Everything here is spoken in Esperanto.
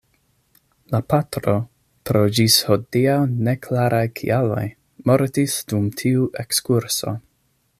La patro pro ĝis hodiaŭ neklaraj kialoj mortis dum tiu ekskurso.